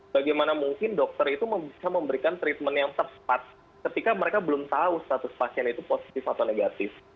bagaimana mungkin dokter itu bisa memberikan treatment yang tepat ketika mereka belum tahu status pasien itu positif atau negatif